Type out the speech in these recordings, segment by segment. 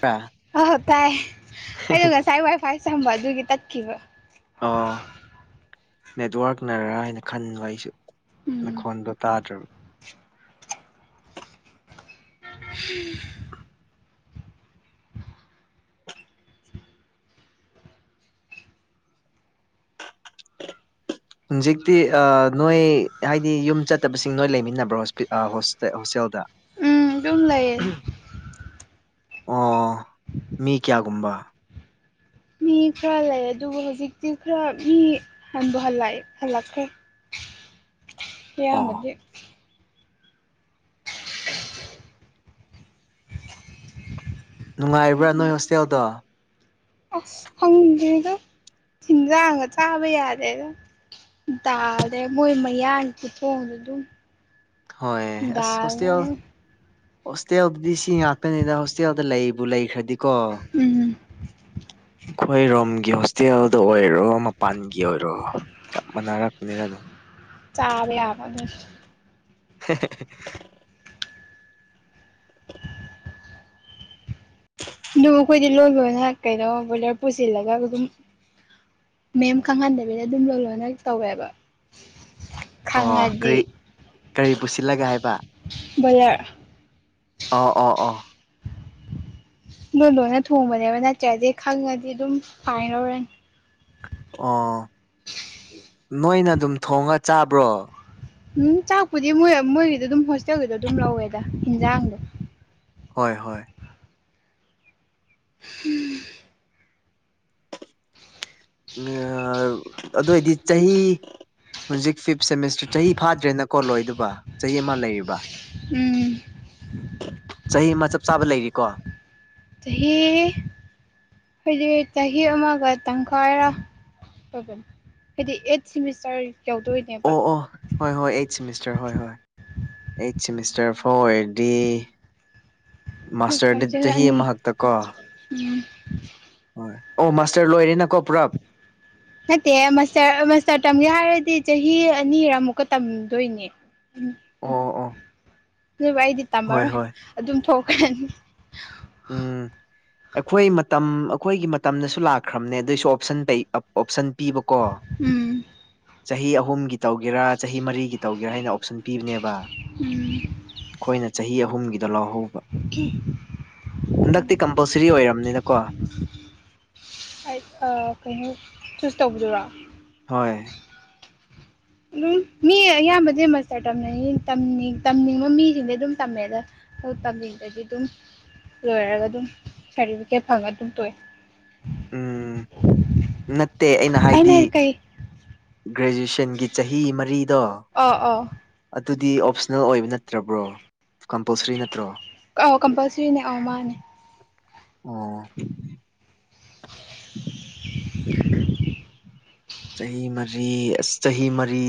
ꯄ ꯑꯣ ꯍꯣ ꯇꯥꯏ ꯑꯩꯗꯣ ꯉꯁꯥꯏ ꯋꯥꯏ ꯐꯥꯏ ꯁꯝꯕ ꯑꯗꯨꯒꯤ ꯇꯠꯈꯤꯕ ꯑꯣ ꯅꯦꯠꯋꯥꯔꯛꯅꯔꯥ ꯍꯥꯏꯅ ꯈꯟꯕ ꯑꯩꯁꯨ ꯎꯝ ꯅꯈꯣꯟꯗ ꯇꯥꯗ꯭ꯔ ꯍꯨꯝ ꯍꯖꯤꯛꯇꯤ ꯑ ꯅꯣꯏ ꯍꯥꯏꯗꯤ ꯌꯨꯝ ꯆꯠꯇꯕꯁꯤꯡ ꯅꯣꯏ ꯂꯩꯃꯤꯟꯅꯕ꯭ꯔꯣ ꯍꯣꯢꯄꯤꯇꯥꯜ ꯍꯣꯁ ꯍꯣꯁꯇꯦꯜꯗ ꯎꯝ ꯌꯨꯝ ꯂꯩꯌꯦ ꯑꯣ ꯃꯤ ꯀꯌꯥꯒꯨꯝꯕ ꯃꯤ ꯈꯔ ꯂꯩ ꯑꯗꯨꯕꯨ ꯍꯧꯖꯤꯛꯇꯤ ꯈꯔ ꯃꯤ ꯍꯟꯕꯨ ꯍꯜꯂꯛꯑꯦ ꯍꯜꯂꯛꯈ꯭ꯔꯦ ꯑꯣ ꯑꯌꯥꯝꯕꯗꯤ ꯅꯨꯡꯉꯥꯏꯕ꯭ꯔꯥ ꯅꯣꯏ ꯍꯣꯁꯇꯦꯜꯗꯣ ꯑꯁ ꯈꯪꯗꯦꯗ ꯍꯤꯟꯖꯥꯡꯒ ꯆꯥꯕ ꯌꯥꯗꯦꯗ ꯗꯥꯜ ꯅꯦ ꯃꯣꯏ ꯃꯌꯥꯡꯒꯤ ꯈꯨꯊꯣꯡꯗꯣ ꯑꯗꯨꯝ ꯍꯣꯏ ꯑꯁ ꯍꯣꯁꯇꯦꯜ ꯗꯥꯜꯅꯦ ꯍꯣꯁꯇꯦꯜꯗꯨꯗꯤ ꯁꯤ ꯉꯥꯛꯇꯅꯤꯅ ꯍꯣꯁꯇꯦꯜꯗ ꯂꯩꯕꯨ ꯂꯩꯈ꯭ꯔꯗꯤ ꯀꯣ ꯎꯝ ꯑꯈꯣꯏ ꯔꯣꯝꯒꯤ ꯍꯣꯁꯇꯦꯜꯗ ꯑꯣꯏꯔꯣ ꯃꯄꯥꯟꯒꯤ ꯑꯣꯏꯔꯣ ꯆꯞ ꯃꯥꯟꯅꯔꯛꯄꯅꯤꯅ ꯑꯗꯨꯝ ꯆꯥꯕ ꯌꯥꯕꯔ ꯅꯣꯢꯁꯤ [unintelligible] ꯗꯤ ꯂꯣꯏ ꯂꯣꯢꯅ ꯀꯩꯅꯣ ꯕꯣꯏꯂꯔ ꯄꯨꯁꯤꯜꯂꯒ ꯑꯗꯨꯝ ꯃꯦꯝ ꯈꯪꯍꯟꯗꯕꯤꯗ ꯑꯗꯨꯝ ꯂꯣꯟ ꯂꯣꯟꯅ ꯇꯧꯋꯦꯕ ꯑꯣ ꯈꯪꯉꯗꯤ ꯀ꯭ꯔꯤ ꯀꯔꯤ ꯄꯨꯁꯤꯜꯂꯒꯦ ꯍꯥꯏꯕ ꯕꯣꯢꯂꯔ ꯑꯣ ꯑꯣ ꯑꯣ ꯂꯣꯟ ꯂꯣꯟꯅ ꯊꯣꯡꯕꯅꯦꯕ ꯅꯠꯇ꯭ꯔꯗꯤ ꯈꯪꯉꯗꯤ ꯑꯗꯨꯝ ꯐꯥꯏꯟ ꯂꯧꯔꯅꯤ ꯑꯣ ꯅꯣꯏꯅ ꯑꯗꯨꯝ ꯊꯣꯡꯉ ꯆꯥꯕ꯭ꯔꯣ ꯎꯝ ꯆꯥꯛꯄꯨꯗꯤ ꯃꯣꯏ ꯃꯣꯏꯒꯤꯗ ꯑꯗꯨꯝ ꯍꯣꯁꯇꯦꯜꯒꯤꯗꯣ ꯑꯗꯨꯝ ꯂꯧꯋꯦꯗ ꯍꯦꯟꯖꯥꯡꯗꯣ ꯍꯣꯏ ꯍꯣꯏ ꯍꯨꯝ ꯉꯥ ꯑꯗꯣꯏꯗꯤ ꯆꯍꯤ ꯍꯧꯖꯤꯛ ꯐꯤꯐ ꯁꯦꯃꯤꯁꯇꯔ ꯆꯍꯤ ꯐꯥꯗ꯭ꯔꯦꯅꯀꯣ ꯂꯣꯏꯗꯨꯕ ꯆꯍꯤ ꯑꯃ ꯂꯩꯔꯤꯕ ꯎꯝ ꯆꯍꯤ ꯑꯃ ꯆꯞ ꯆꯥꯕ ꯂꯩꯔꯤꯀꯣ ꯆꯍꯤ ꯍꯥꯏꯗꯤ ꯆꯍꯤ ꯑꯃꯒ ꯇꯪꯈꯥꯏꯔ ꯑꯣꯏꯕ ꯍꯥꯏꯗꯤ ꯑꯩꯠ ꯁꯦꯃꯤꯁꯇꯔ ꯌꯧꯗꯣꯏꯅꯦ ꯑꯣ ꯑꯣ ꯍꯣꯏ ꯍꯣꯏ ꯑꯩꯠ ꯁꯤꯃꯤꯁꯇꯔ ꯍꯣꯏ ꯍꯣꯏ ꯑꯩꯠ ꯁꯦꯃꯤꯁꯇꯔ ꯐꯥꯎ ꯑꯣꯏꯔꯗꯤ ꯃꯥꯁꯇꯔꯗꯤ ꯆꯍꯤ ꯑꯃꯈꯛꯇ ꯀꯣ ꯎꯝ ꯑꯣ ꯃꯥꯥꯁꯇꯔ ꯂꯣꯏꯔꯦ ꯅ ꯀꯣ ꯄꯨꯔ [inaudible] ꯅꯠꯇꯦ ꯃꯥꯁꯇꯔ ꯃꯥꯁꯇꯔ ꯇꯝꯒꯦ ꯍꯥꯏꯔꯗꯤ ꯆꯍꯤ ꯑꯅꯤꯔꯃꯨꯛꯀ ꯇꯝꯗꯣꯏꯅꯦ ꯎ ꯑꯣ ꯑꯣ ꯑꯗꯨꯕꯨ ꯑꯩꯗꯤ ꯍꯣꯏ ꯇꯝꯃꯔꯣꯏ ꯍꯣꯏ ꯑꯗꯨꯝ ꯊꯣꯛꯈ꯭ꯔꯅꯤ ꯎꯝ ꯑꯩꯈꯣꯏ ꯃꯇꯝ ꯑꯩꯈꯣꯏꯒꯤ ꯃꯇꯝꯗꯁꯨ ꯂꯥꯛꯈ꯭ꯔꯕꯅꯦ ꯑꯗꯨꯏꯁꯨ ꯑꯣꯞꯁꯟ ꯂꯩꯕ ꯑꯣꯞꯁꯟ ꯄꯤꯕꯀꯣ ꯎꯝ ꯆꯍꯤ ꯑꯍꯨꯝꯒꯤ ꯇꯧꯒꯦꯔꯥ ꯆꯍꯤ ꯃꯔꯤꯒꯤ ꯇꯧꯒꯦꯔꯥ ꯍꯥꯏꯅ ꯑꯣꯞꯁꯟ ꯄꯤꯕꯅꯦꯕ ꯎꯝ ꯈꯣꯏꯅ ꯆꯍꯤ ꯑꯍꯨꯝꯒꯤꯗꯣ ꯂꯧꯍꯧꯕ ꯀꯤ ꯍꯟꯗꯛꯇꯤ ꯀꯝꯄꯜꯁ꯭ꯔꯤ ꯑꯣꯏꯔꯝꯅꯤꯗꯀꯣ ꯑꯥꯏꯠ ꯑ ꯀꯩꯅꯣ ꯆꯨꯁ ꯇꯧꯕꯗꯨꯔꯣ ꯍꯣꯏ ꯑꯗꯨꯝ ꯃꯤ ꯑꯌꯥꯝꯕꯗꯤ ꯃꯥꯁꯇꯔ ꯇꯝꯅꯩꯌꯦ ꯇꯝꯅꯤꯡꯕ ꯃꯤꯁꯤꯡꯗꯤ ꯑꯗꯨꯝ ꯇꯝꯃꯦ ꯗ ꯑꯗꯨ ꯇꯝꯅꯤꯡꯗꯗꯤ ꯑꯗꯨꯝ ꯂꯣꯏꯔꯒ ꯑꯗꯨꯝ ꯁꯥꯔꯇꯤꯐꯤꯀꯦꯠ ꯐꯪꯉ ꯑꯗꯨꯝ ꯇꯣꯛꯑꯦ ꯎꯝ [inaudible] ꯅꯠꯇꯦ ꯑꯩꯅ ꯍꯥꯏꯗꯤ ꯒ꯭ꯔꯦꯖꯨꯁꯟ ꯇꯤꯟꯒꯤ ꯆꯍꯤ ꯃꯔꯤꯗꯣ ꯑꯧ ꯑꯧ ꯑꯗꯨꯗꯤ ꯑꯣꯞꯁ꯭ꯅꯦꯜ ꯑꯣꯏꯕ ꯅꯠꯇ꯭ꯔꯕ꯭ꯔꯣ ꯀꯝꯄꯜꯁ꯭ꯔꯤ ꯅꯠꯇ꯭ꯔꯣ ꯑꯥꯎ ꯀꯝꯄꯜꯁ꯭ꯔꯤꯅꯦ ꯑꯧ ꯃꯥꯅꯦ ꯑꯣ ꯆꯍꯤ ꯃꯔꯤ ꯑꯁ ꯆꯍꯤ ꯃꯔꯤ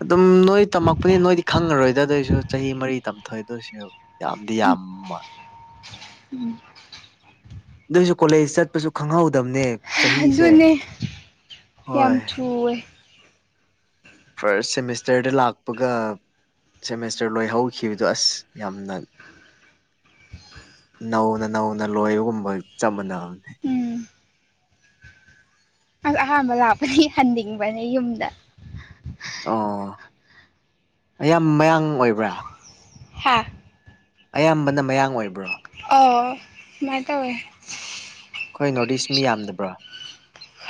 ꯑꯗꯨꯝ ꯅꯣꯏ ꯇꯝꯃꯛꯄꯅꯤ ꯅꯣꯏꯗꯤ ꯈꯪꯉꯔꯣꯏ ꯗꯗꯣꯏꯁꯨ ꯆꯍꯤ ꯃꯔꯤ ꯇꯝꯊꯣꯏꯗꯣꯏꯁꯨ ꯌꯥꯝꯗꯤ ꯌꯥꯝ ꯃꯥ ꯎꯝ ꯑꯗꯨꯏꯁꯨ ꯀꯣꯂꯦꯖ ꯆꯠꯄꯁꯨ ꯈꯪꯍꯧꯗꯕꯅꯦ ꯆꯍꯤꯁꯦ ꯑꯗꯨꯅꯦ ꯌꯥꯝ ꯍꯣꯏ ꯊꯨꯋꯦ ꯐ꯭ꯔꯁ ꯁꯦꯃꯤꯁꯇꯔꯗ ꯂꯥꯛꯄꯒ ꯁꯦꯃꯦꯁꯇꯔ ꯂꯣꯏ ꯍꯧꯈꯤꯕꯗꯨ ꯑꯁ ꯌꯥꯝꯅ ꯅꯧꯅ ꯅꯧꯅ ꯂꯣꯏꯕꯒꯨꯝꯕ ꯆꯞ ꯃꯥꯟꯅꯕꯅꯦ ꯎꯝ ꯑꯁ ꯑꯍꯥꯟꯕ ꯂꯥꯛꯄꯗꯤ ꯍꯟꯅꯤꯡꯕꯅꯦ ꯌꯨꯝꯗ ꯑꯣ ꯑꯌꯥꯝ ꯃꯌꯥꯡ ꯑꯣꯏꯕ꯭ꯔꯥ ꯍꯥꯥ ꯑꯌꯥꯝꯕꯅ ꯃꯌꯥꯡ ꯑꯣꯏꯕ꯭ꯔꯣ ꯑ ꯃꯥꯏ ꯇꯧꯋꯦ ꯈꯣꯏ ꯅꯣꯔꯠ ꯏꯁ ꯃꯤ ꯌꯥꯝꯗꯕ꯭ꯔꯣ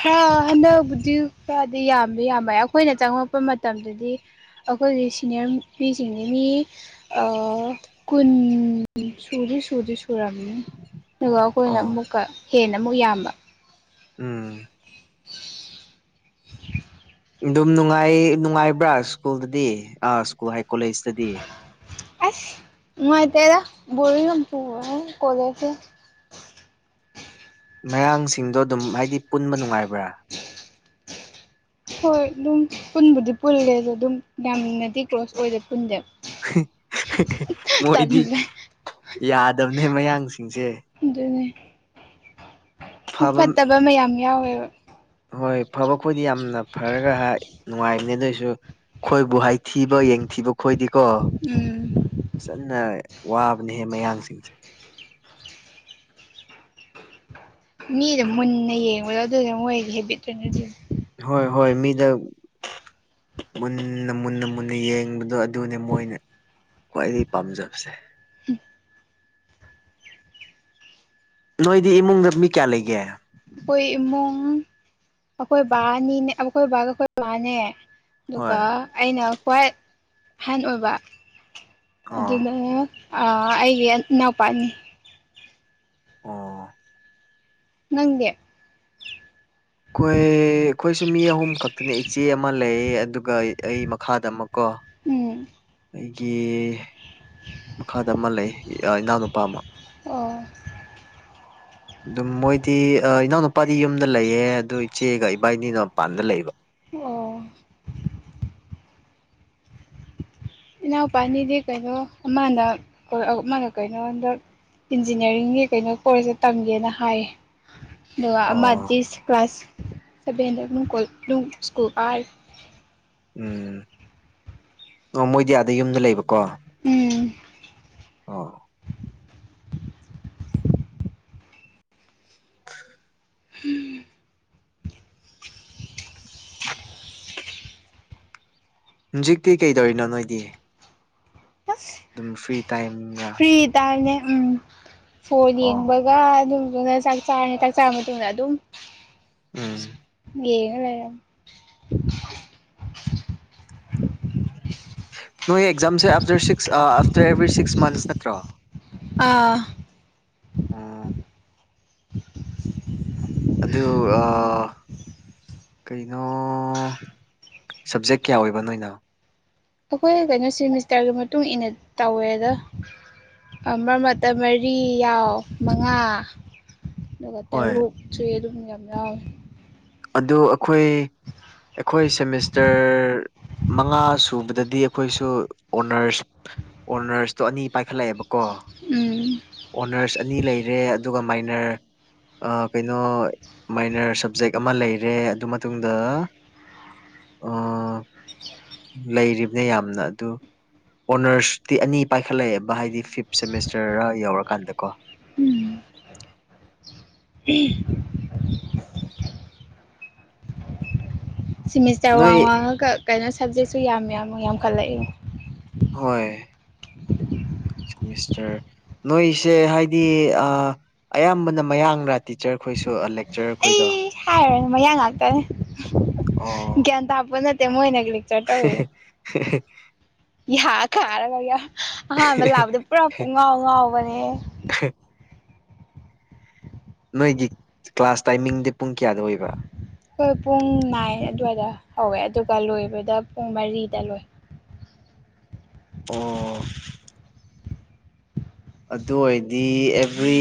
ꯍ ꯍꯟꯗꯛꯕꯨꯗꯤ ꯈꯔꯗꯤ ꯌꯥꯝꯗꯤ ꯌꯥꯝꯃꯛꯑꯦ ꯈꯣꯏꯅ ꯆꯪꯉꯛꯄ ꯃꯇꯝꯗꯗꯤ ꯑꯈꯣꯏꯒꯤ ꯁꯤꯅꯤꯌꯔ ꯅꯨꯄꯤꯁꯤꯡꯗꯤ ꯃꯤ ꯑ ꯀꯨꯟ ꯁꯨꯗꯤ ꯁꯨꯗꯔꯤ ꯁꯨꯔꯝꯅꯤ ꯑꯗꯨꯒ ꯑꯈꯣꯏꯅ ꯑꯣ ꯑꯃꯨꯛꯀ ꯍꯦꯟꯅ ꯑꯃꯨꯛ ꯌꯥꯝꯕ ꯎꯝ ꯑꯗꯨꯝ ꯅꯨꯡꯉꯥꯏ ꯅꯨꯡꯉꯥꯏꯕ꯭ꯔꯥ ꯁ꯭ꯀꯨꯜꯗꯗꯤ ꯑꯥ ꯁ꯭ꯀꯨꯜ ꯍꯥꯏ ꯀꯣꯂꯦꯖꯇꯗꯤ ꯑꯁ ꯅꯨꯡꯉꯥꯢꯇꯦꯗ ꯕꯣꯔꯤꯡ ꯌꯥꯝ ꯆꯨꯕꯅꯤ ꯀꯣꯂꯦꯖꯁꯦ ꯃꯌꯥꯡꯁꯤꯡꯗꯣ ꯑꯗꯨꯝ ꯍꯥꯏꯗꯤ ꯄꯨꯟꯕ ꯅꯨꯡꯉꯥꯏꯕ꯭ꯔꯥ ꯍꯣꯏ ꯑꯗꯨꯝ ꯄꯨꯟꯕꯨꯗꯤ ꯄꯨꯜꯂꯦ ꯑꯗꯣ ꯑꯗꯨꯝ ꯌꯥꯝꯃꯅꯗꯤ ꯀ꯭ꯂꯣꯁ ꯑꯣꯏꯅ ꯄꯨꯟꯗꯦ ꯃꯣꯏꯗꯤ ꯌꯥꯗꯕꯅꯦ ꯃꯌꯥꯡꯁꯤꯡꯁꯦ ꯑꯗꯨꯅꯦ ꯄꯨꯡ ꯐꯕ ꯐꯠꯇꯕ ꯃꯌꯥꯝ ꯌꯥꯎꯋꯦꯕ ꯍꯣꯏ ꯐꯕ ꯈꯣꯏꯗꯤ ꯌꯥꯝꯅ ꯐꯔꯒ ꯍꯥꯏ ꯅꯨꯡꯉꯥꯏꯕꯅꯦ ꯑꯗꯨꯏꯁꯨ ꯈꯣꯏꯕꯨ ꯍꯥꯏꯊꯤꯕ ꯌꯦꯡꯊꯤꯕ ꯈꯣꯏꯗꯤꯀꯣ ꯎꯝ ꯐꯖꯅ ꯋꯥꯕꯅꯦꯍꯦ ꯃꯌꯥꯡꯁꯤꯡꯁꯦ ꯃꯤꯗ ꯃꯨꯟꯅ ꯌꯦꯡꯕꯗꯣ ꯑꯗꯨꯗ ꯃꯣꯏꯒꯤ ꯍꯦꯕꯤꯠꯇꯨꯅꯦ ꯑꯗꯨ ꯍꯣꯏ ꯍꯣꯏ ꯃꯤꯗ ꯃꯨꯟꯅ ꯃꯨꯟꯅ ꯃꯨꯟꯅ ꯌꯦꯡꯕꯗꯣ ꯑꯗꯨꯅꯦ ꯃꯣꯏꯅ ꯈ꯭ꯋꯥꯏꯗꯒꯤ ꯄꯥꯝꯖꯕꯁꯦ ꯅꯣꯏꯗꯤ ꯏꯃꯨꯡꯗ ꯃꯤ ꯀ꯭ꯌꯥ ꯂꯩꯒꯦ ꯑꯈꯣꯏ ꯏꯃꯨꯡ ꯑꯈꯣꯏ ꯕꯥꯅꯤꯅꯦ ꯑꯈꯣꯏ ꯕꯥꯒ ꯑꯈꯣꯏ ꯃꯥꯅꯦ ꯍꯣꯏ ꯑꯗꯨꯒ ꯑꯩꯅ ꯈ꯭ꯋꯥꯏ ꯑꯍꯟ ꯑꯣꯏꯕ ꯑꯥ ꯑꯗꯨꯅ ꯑ ꯑꯩꯒꯤ ꯏꯅꯥꯎꯄꯥ ꯑꯅꯤ ꯑꯣ ꯅꯪꯗꯤ ꯈꯣꯏ ꯈꯣꯏꯁꯨ ꯃꯤ ꯑꯍꯨꯝ ꯈꯛꯇꯅꯦ ꯏꯆꯦ ꯑꯃ ꯂꯩ ꯑꯗꯨꯒ ꯑꯩ ꯃꯈꯥꯗ ꯑꯃꯛꯀꯣ ꯎꯝ ꯑꯩꯒꯤ ꯃꯈꯥꯗ ꯑꯃ ꯂꯩ ꯏꯅꯥꯎꯅꯨꯄꯥ ꯑꯃ ꯑꯣ ꯑꯗꯨꯝ ꯃꯣꯏꯗꯤ ꯏꯅꯥꯎ ꯅꯨꯄꯥꯗꯤ ꯌꯨꯝꯗ ꯂꯩꯌꯦ ꯑꯗꯨ ꯏꯆꯦꯒ ꯏꯕꯥꯏꯅꯤꯅ ꯃꯄꯥꯟꯗ ꯂꯩꯕ ꯑꯣ ꯏꯅꯥꯎꯄꯥꯅꯤꯗꯤ ꯀꯩꯅꯣ ꯑꯃꯅ ꯑꯃꯅ ꯀꯩꯅꯣ ꯍꯟꯗꯛ ꯏꯟꯖꯤꯅ꯭ꯌꯥꯔꯤꯡꯒꯤ ꯀꯩꯅꯣ ꯀꯣꯔꯁꯇ ꯇꯝꯒꯦꯅ ꯍꯥꯏ ꯗꯨꯒ ꯑꯣ ꯑꯃꯗꯤ ꯀ꯭ꯂꯥꯁ ꯁꯚꯦꯟꯗ ꯑꯗꯨꯝ ꯁ꯭ꯀꯨꯜ ꯀꯥꯔꯤ ꯎꯝ ꯑꯣ ꯃꯣꯏꯗꯤ ꯑꯗꯥ ꯌꯨꯝꯗ ꯂꯩꯕꯀꯣ ꯎꯝ ꯑꯣ ꯍꯨꯝ ꯖꯤꯛꯇꯤ ꯀꯩꯗꯧꯔꯤꯅꯣ ꯅꯣꯏꯗꯤ ꯑꯁ ꯗꯨꯝ ꯐ꯭ꯔꯤ ꯇꯥꯏꯝꯔ ꯐ꯭ꯔꯤ ꯇꯥꯢꯝꯅꯦ ꯎꯝ ꯐꯣꯟ ꯑꯣ ꯌꯦꯡꯕꯒ ꯑꯗꯨꯗꯨꯒ ꯆꯥꯛ ꯆꯥꯔꯅꯤ ꯆꯥꯛ ꯆꯥ ꯃꯇꯨꯡꯗ ꯑꯗꯨꯝ ꯎꯝ ꯌꯦꯡꯉ ꯂꯩꯔꯝ ꯅꯣꯏ ꯑꯦꯛꯖꯥꯝꯁꯦ after six after every six months ꯅꯠꯇ꯭ꯔꯣ ꯑꯥ ꯎꯝ ꯑꯗꯨ ꯑꯥ ꯀꯩꯅꯣ ꯁꯞꯖꯦꯛ ꯀ꯭ꯌꯥ ꯑꯣꯏꯕ ꯅꯣꯏꯅ ꯑꯈꯣꯏ ꯀꯩꯅꯣ ꯁꯦꯃꯤꯁꯇꯔꯒꯤ ꯃꯇꯨꯡ ꯏꯟꯅ ꯇꯧꯋꯦꯗ ꯑ ꯃ꯭ꯔ ꯃ꯭ꯔꯛꯇ ꯃꯔꯤ ꯌꯥꯎ ꯃꯉꯥ ꯑꯗꯨꯒ ꯍꯣꯏ ꯇꯔꯨꯛꯁꯨ ꯑꯗꯨꯝ ꯌꯥꯝ ꯌꯥꯎꯋꯦ꯫ ꯑꯗꯨ ꯑꯈꯣꯏ ꯑꯩꯈꯣꯏ ꯁꯦꯃꯤꯁꯇꯔ ꯃꯉꯥ ꯁꯨꯕꯗꯗꯤ ꯑꯈꯣꯏꯁꯨ ꯑꯣꯅꯔꯁ ꯑꯣꯅꯔꯁꯇꯣ ꯑꯅꯤ ꯄꯥꯏꯈꯠꯂꯛꯑꯦꯕ꯫ ꯑꯣ ꯎꯝ ꯑꯣꯅꯔꯁ ꯑꯅꯤ ꯂꯩꯔꯦ꯫ ꯑꯗꯨꯒ ꯃꯥꯏꯅꯔ ꯑ ꯀꯩꯅꯣ ꯃꯥꯏꯅꯔ ꯁꯕꯖꯦꯛ ꯑꯃ ꯂꯩꯔꯦ ꯑꯗꯨ ꯃꯇꯨꯡꯗ ꯑ ꯂꯩꯔꯤꯕꯅꯦ ꯌꯥꯝꯅ ꯑꯗꯨ ꯑꯣꯅꯔꯁꯇꯤ ꯑꯅꯤ ꯄꯥꯏꯈꯠꯂꯛꯑꯦꯕ ꯍꯥꯏꯗꯤ ꯐꯤꯞ ꯁꯦꯃꯤꯁꯇꯔ ꯌꯧꯔꯀꯥꯟꯗ ꯀꯣ꯫ ꯎꯝ [unintelligible] ꯁꯤꯃꯤꯁꯇꯔ ꯅꯣꯏ ꯋꯥꯡ ꯋꯥꯡꯉꯒ ꯀꯩꯅꯣ ꯁꯞꯖꯦꯛꯁꯨ ꯌꯥꯝ ꯌꯥꯝ ꯌꯥꯝꯈꯠꯂꯛꯏ꯫ ꯍꯣꯏ [inaudible] ꯁꯦꯃꯤꯁꯇꯔ ꯅꯣꯏꯁꯦ ꯍꯥꯏꯗꯤ ꯑ ꯑꯌꯥꯝꯕꯅ ꯃꯌꯥꯡꯂꯥ ꯇꯤꯆꯔ ꯈꯣꯏꯁꯨ ꯂꯦꯛꯆꯔ ꯈꯣꯏꯗꯣ꯫ ꯢꯁ ꯍꯥꯏꯔꯣꯢ ꯃꯌꯥꯡ ꯉꯥꯛꯇꯅꯦ ꯒ꯭ꯌꯥꯟ ꯇꯥꯄ ꯅꯠꯇꯦ ꯃꯣꯏꯅ꯫ ꯂꯦꯛꯆꯔ ꯍꯦ ꯇꯧꯔꯤꯗꯣ ꯍꯦ ꯍꯦ ꯍꯦ ꯌꯥ ꯀꯥꯔꯒ ꯑꯍꯥꯟꯕ ꯂꯥꯛꯕꯗ ꯄꯨꯔꯥ ꯄꯨꯡꯉꯥꯎ ꯉꯥꯎꯕꯅꯦꯍꯦ꯫ [unintelligible] ꯅꯣꯏꯒꯤ ꯀ꯭ꯂꯥꯁ ꯇꯥꯏꯃꯤꯡꯗꯤ ꯄꯨꯡ ꯀꯇꯌꯥꯗ ꯑꯣꯏꯕꯥ꯫ ꯈꯣꯏ ꯄꯨꯡ ꯅꯥꯏꯟ ꯑꯗꯨꯋꯥꯏꯗ ꯍꯧꯋꯦ ꯑꯗꯨꯒ ꯂꯣꯏꯕꯗ ꯄꯨꯡ ꯃꯔꯤꯗ ꯂꯣꯏꯕ꯫ ꯑꯣ ꯑꯗꯣꯢꯗꯤ ꯑꯦꯚ꯭ꯔꯤ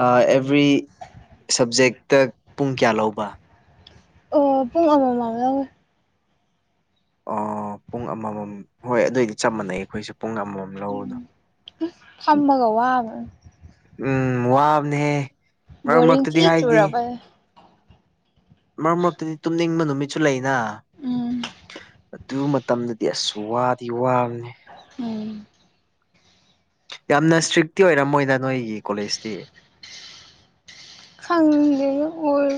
ꯑ ꯑꯦꯚ꯭ꯔꯤ ꯁꯞꯖꯦꯛꯇ ꯄꯨꯡ ꯀ꯭ꯌꯥ ꯂꯧꯕ? ꯑꯣ ꯄꯨꯡ ꯑꯃꯃꯝ ꯂꯧꯋꯤ꯫ ꯑꯣ ꯄꯨꯡ ꯑꯃꯃꯝ ꯍꯣꯏ ꯑꯗꯨꯑꯣꯏꯗꯤ ꯆꯞ ꯃꯥꯟꯅꯩ ꯑꯩꯈꯣꯏꯁꯨ ꯄꯨꯡ ꯑꯃꯃꯝ꯫ ꯂꯧꯕꯗꯣ꯫ ꯐꯝꯃꯒ ꯋꯥꯕ ꯎꯝ ꯋꯥꯕꯅꯦꯍꯦ ꯃꯔꯛ ꯕꯣꯔꯤꯡ ꯃꯔꯛꯇꯗꯤ ꯊꯤ ꯍꯥꯏꯗꯤ꯫ ꯆꯨꯔꯕ ꯃꯔꯛ ꯃꯔꯛꯇꯗꯤ ꯇꯨꯝꯅꯤꯡꯕ ꯅꯨꯃꯤꯠꯁꯨ ꯂꯩꯅ ꯎꯝ ꯑꯗꯨ ꯃꯇꯝꯗ ꯑꯁ ꯋꯥꯗꯤ ꯋꯥꯕꯅꯦ꯫ ꯎꯝ ꯌꯥꯝꯅ ꯁꯇ꯭ꯔꯤꯛꯇꯤ ꯑꯣꯏꯔꯝꯃꯣꯏꯗ ꯅꯣꯏꯒꯤ ꯀꯣꯂꯦꯖꯇꯤ꯫ ꯈꯪꯗꯦ ꯑꯣꯏ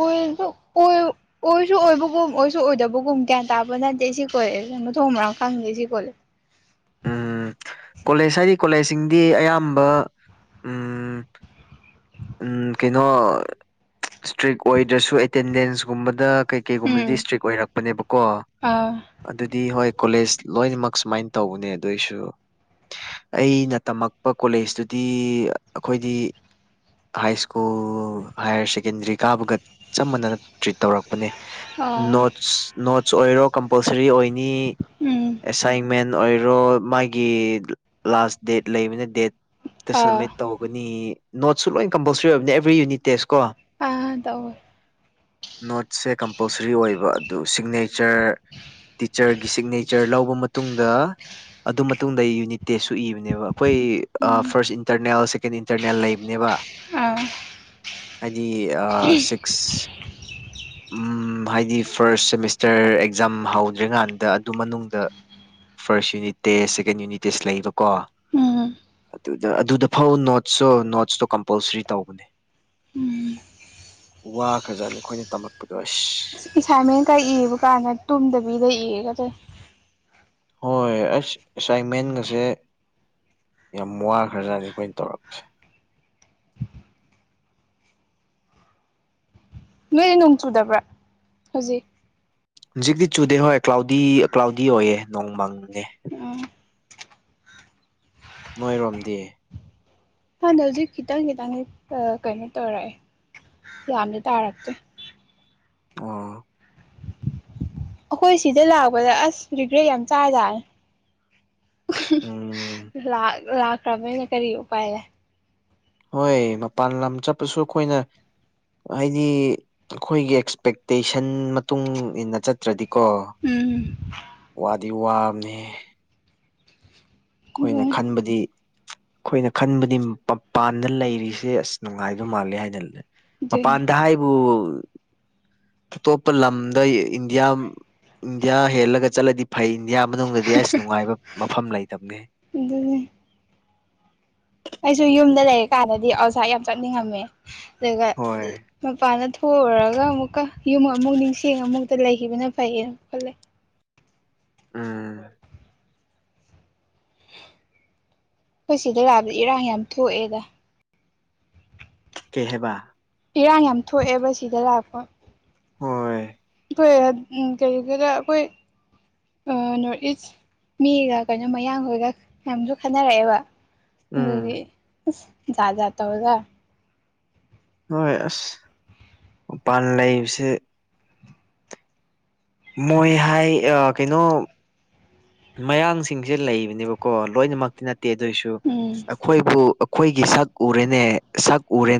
ꯑꯣꯏꯖꯨ ꯑꯣꯏ ꯑꯣꯏꯁꯨ ꯑꯣꯏꯕꯒꯨꯝ ꯑꯣꯏꯁꯨ ꯑꯣꯏꯗꯕꯒꯨꯝ ꯒ꯭ꯌꯥꯟ ꯇꯥꯕ ꯅꯠꯇꯦ ꯁꯤ ꯀꯣꯂꯦꯖ ꯃꯊꯣꯡ ꯃꯔꯥꯡ ꯈꯪꯗꯦ ꯁꯤ ꯀꯣꯂꯦꯖ꯫ ꯎꯝ ꯀꯣꯂꯦꯖ ꯍꯥꯏꯗꯤ ꯀꯣꯂꯦꯖꯁꯤꯡꯗꯤ ꯑꯌꯥꯝꯕ ꯎꯝ ꯀꯩꯅꯣ ꯁꯇ꯭ꯔꯤꯛ ꯑꯣꯏꯗ꯭ꯔꯁꯨ ꯑꯦꯇꯦꯟꯗꯦꯟꯁꯀꯨꯝꯕꯗ ꯀꯩ ꯎꯝ ꯀꯩꯒꯨꯝꯕꯗꯤ ꯁꯇ꯭ꯔꯤꯛ ꯑꯣꯏꯔꯛꯄꯅꯦꯕꯀꯣ꯫ ꯑꯥ ꯑꯗꯨꯗꯤ ꯍꯣꯏ ꯀꯣꯂꯦꯖ ꯂꯣꯏꯅꯃꯛ ꯁꯨꯃꯥꯏꯟ ꯇꯧꯕꯅꯦ ꯑꯗꯨꯏꯁꯨ꯫ ꯑꯩꯅ ꯇꯝꯃꯛꯄ ꯀꯣꯂꯦꯖꯇꯨꯗꯤ ꯑꯈꯣꯏꯗꯤ ꯍꯥꯏ ꯁ꯭ꯀꯨꯜ ꯍꯥꯌꯔ ꯁꯦꯀꯦꯟꯗꯔꯤ ꯀꯥꯕꯒ ꯆꯞ ꯃꯥꯟꯅꯅ ꯇ꯭ꯔꯤꯠ ꯇꯧꯔꯛ ꯄꯅꯦ ꯑꯥ ꯅꯣꯠꯁ ꯅꯣꯠꯁ ꯑꯣꯏꯔꯣ ꯀꯝꯄꯜꯁꯔꯤ ꯑꯣꯏꯅꯤ꯫ ꯎꯝ ꯑꯦꯁꯥꯏꯟꯃꯦꯟ ꯑꯣꯏꯔꯣ ꯃꯥꯒꯤ ꯂꯥꯁ ꯗꯦꯠ ꯂꯩꯕꯅꯤ ꯗꯦꯠ꯫ ꯑꯥ ꯁꯃꯤꯠ ꯇꯧꯒꯅꯤ ꯅꯣꯠꯁꯨ ꯂꯣꯏ ꯀꯝꯄꯜꯁ꯭ꯔꯤ ꯑꯣꯏꯕꯅꯦ ꯑꯦꯕ꯭ꯔꯤ ꯌꯨꯅꯤꯠ ꯇꯦꯁ ꯀꯣ꯫ ꯑ ꯇꯧꯋꯦ꯫ ꯅꯣꯠꯁꯦ ꯀꯝꯄꯜꯁ꯭ꯔꯤ ꯑꯣꯏꯕ ꯑꯗꯨ ꯁꯤꯒꯅꯦꯆꯔ ꯇꯤꯆꯔꯒꯤ ꯁꯤꯒꯅꯦꯆꯔ ꯂꯧꯕ ꯇꯨꯡꯗ ꯑꯗꯨ ꯃꯇꯨꯡꯗ ꯌꯨꯅꯤꯠ ꯇꯦꯁꯁꯨ ꯏꯕꯅꯦꯕ ꯑꯩꯈꯣꯏ ꯎꯝ ꯐꯥꯔꯁ ꯑ ꯏꯟꯇꯔꯅꯦꯜ ꯁꯤꯛ ꯀꯦꯟ ꯏꯟꯇꯔꯅꯦꯜ ꯂꯩꯕꯅꯦꯕ ꯑ ꯍꯥꯏꯗꯤ ꯑ ꯁꯤꯛ [inaudible] ꯎꯝ ꯎꯝ ꯍꯥꯏꯗꯤ ꯐꯥꯔꯁ ꯁꯦꯃꯤꯁꯇꯔ ꯑꯦꯛꯖꯥꯝ ꯍꯧꯗ꯭ꯔꯤꯀꯥꯟꯗ ꯑꯗꯨ ꯃꯅꯨꯡꯗ first unit test second unit test ꯂꯩꯕꯀꯣ ꯎꯝ ꯑꯗꯨꯗ ꯑꯗꯨꯗ ꯐꯥꯎ ꯅꯣꯠꯁꯁꯨ ꯅꯣꯠꯁꯇꯣ ꯀꯝꯄꯜꯁ꯭ꯔꯤ ꯇꯧꯕꯅꯦ ꯎꯝ ꯋꯥꯈ꯭ꯔꯖꯥꯠꯅꯤ ꯈꯣꯏꯅ ꯇꯝꯃꯛꯄꯗꯣ ꯑꯁ ꯏꯁꯥꯏꯃꯦꯟ ꯀ ꯏꯕ ꯀꯥꯟꯗ ꯇꯨꯝꯗꯕꯤꯗ ꯏꯒꯗ꯭ꯔ ꯍꯣꯏ ꯑꯩꯁ ꯑꯦꯁꯥꯏꯟꯃꯦꯟꯒꯁꯦ ꯌꯥꯝ ꯋꯥꯈ꯭ꯔꯖꯥꯠꯅꯤ ꯑꯩꯈꯣꯏꯅ ꯇꯧꯔꯛꯄꯁꯦ ꯅꯣꯏꯗꯤ ꯅꯣꯡ ꯆꯨꯗꯕ꯭ꯔꯥ ꯍꯧꯖꯤꯛ ꯍꯧꯖꯤꯛꯇꯤ ꯆꯨꯗꯦ ꯍꯣꯏ ꯀ꯭ꯂꯥꯎꯗꯤ ꯀ꯭ꯂꯥꯎꯗꯤ ꯑꯣꯏꯌꯦ ꯅꯣꯡ ꯃꯪꯉꯦ ꯎꯝ ꯅꯣꯏꯔꯣꯝꯗꯤ ꯈꯪꯗꯦ ꯍꯧꯖꯤꯛ ꯈꯤꯇꯪ ꯈꯤꯇꯪꯗꯤ ꯑ ꯀꯩꯅꯣ ꯇꯧꯔꯛꯑꯦ ꯌꯥꯝꯗꯤ ꯇꯥꯔꯛꯇ꯭ꯔꯤ ꯑꯣ ꯑꯈꯣꯏ ꯁꯤꯗ ꯂꯥꯛꯄꯗ ꯑꯁ ꯔꯤꯒ꯭ꯔꯦꯠ ꯌꯥꯝ ꯆꯥꯖꯥꯅꯦ ꯎꯝ ꯂꯥꯛ ꯂꯥꯛꯈ꯭ꯔꯕꯅꯤꯅ ꯀꯔꯤ ꯎꯄꯥꯏ ꯂꯩ ꯍꯣꯏ ꯃꯄꯥꯟ ꯂꯝ ꯆꯠꯄꯁꯨ ꯑꯈꯣꯏꯅ ꯍꯥꯏꯗꯤ ꯑꯈꯣꯏꯒꯤ ꯑꯦꯛꯁꯄꯦꯛꯇꯦꯁꯟ ꯃꯇꯨꯡ ꯏꯟꯅ ꯆꯠꯇ꯭ꯔꯗꯤꯀꯣ ꯎꯝ ꯋꯥꯗꯤ ꯋꯥꯕꯅꯦꯍꯦ ꯑꯈꯣꯏꯅ ꯑꯗꯨꯅꯦ ꯈꯟꯕꯗꯤ ꯈꯣꯏꯅ ꯈꯟꯕꯗꯤ ꯃꯄꯥꯟꯗ ꯂꯩꯔꯤꯁꯦ ꯑꯁ ꯅꯨꯡꯉꯥꯏꯗꯧ ꯃꯥꯜꯂꯦ ꯍꯥꯏꯅ ꯂꯩ ꯑꯗꯨꯅꯦ ꯃꯄꯥꯟꯗ ꯍꯥꯏꯕꯨ ꯑꯇꯣꯞꯄ ꯂꯝꯗ ꯏꯟꯗꯤꯌꯥ ꯏꯟꯗꯤꯌꯥ ꯍꯦꯜꯂꯒ ꯆꯠꯂꯗꯤ ꯐꯩ ꯏꯟꯗꯤꯌꯥ ꯃꯅꯨꯡꯗꯗꯤ ꯑꯁ ꯅꯨꯡꯉꯥꯏꯕ ꯃꯐꯝ ꯂꯩꯇꯕꯅꯦꯍꯦ ꯑꯗꯨꯅꯦ ꯑꯩꯁꯨ ꯌꯨꯝꯗ ꯂꯩꯔꯤꯀꯥꯟꯗꯗꯤ ꯑꯥꯎꯁꯥꯏꯠ ꯌꯥꯝ ꯆꯠꯅꯤꯡꯉꯝꯃꯦ ꯑꯗꯨꯒ ꯍꯣꯏ ꯃꯄꯥꯟꯗ ꯊꯣꯛꯎꯔꯒ ꯑꯃꯨꯛꯀ ꯌꯨꯝ ꯑꯃꯨꯛ ꯅꯤꯡꯁꯤꯡ ꯑꯃꯨꯛꯇ ꯂꯩꯈꯤꯕꯅ ꯐꯩꯌꯦꯅ ꯈꯠꯂꯦ ꯎꯝ ꯑꯣꯏ ꯁꯤꯗ ꯂꯥꯛꯑꯗꯤ ꯏꯔꯥꯡ ꯌꯥꯝ ꯊꯣꯛꯑꯦꯗ ꯀꯦ ꯍꯥꯏꯕ ꯏꯔꯥꯡ ꯌꯥꯝ ꯊꯣꯛꯑꯦꯕ ꯁꯤꯗ ꯂꯥꯛꯄ ꯍꯣꯏ ꯊꯣꯛꯑꯦ ꯎꯝ ꯀꯔꯤ ꯀꯔꯥ ꯑꯈꯣꯏ ꯅꯣꯔꯠ ꯏꯁ ꯃꯤꯒ ꯀꯩꯅꯣ ꯃꯌꯥꯡꯈꯣꯏꯒ ꯃꯌꯥꯝꯁꯨ ꯈꯟꯅꯔꯛꯑꯦꯕ ꯎꯝ ꯑꯗꯨꯒꯤ ꯑꯁ ꯖꯥꯠ ꯖꯥꯠ ꯇꯧꯋꯦꯗ ꯍꯣꯏ ꯑꯁ ꯃꯄꯥꯟ ꯂꯩꯕꯁꯦ ꯃꯣꯏ ꯍꯥꯏ ꯑ ꯀꯩꯅꯣ ꯃꯌꯥꯡꯁꯤꯡꯁꯦ ꯂꯩꯕꯅꯦꯕꯀꯣ ꯂꯣꯏꯅꯃꯛꯇꯤ ꯅꯠ ꯇꯦ ꯑꯗꯨꯏꯁꯨ ꯎꯝ ꯑꯩꯈꯣꯏꯕꯨ ꯑꯩꯈꯣꯏꯒꯤ ꯁꯛ ꯎꯔꯦꯅꯦ ꯁꯛ ꯎꯔꯦ